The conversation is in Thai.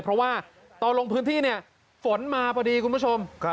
เพราะว่าตอนลงพื้นที่เนี่ยฝนมาพอดีคุณผู้ชม